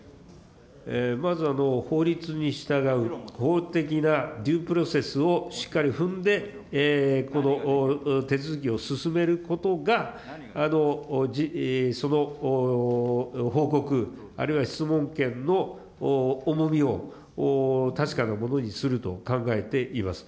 まず法律に従う、法的なプロセスをしっかり踏んで、この手続きを進めることが、その報告、あるいは質問権の重みを確かなものにすると考えています。